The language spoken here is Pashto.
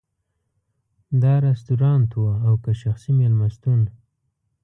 دا رستورانت و او که شخصي مېلمستون.